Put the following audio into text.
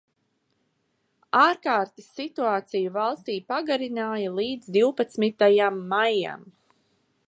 Ārkārtas situāciju valstī pagarināja līdz divpadsmitajam maijam.